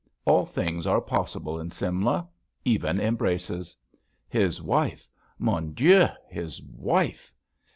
All things are possible in Simla. Even embraces. His wife! Mon Dien, his wife!